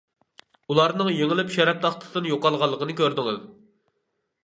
ئۇلارنىڭ يېڭىلىپ شەرەپ تاختىسىدىن يوقالغانلىقىنى كۆردىڭىز!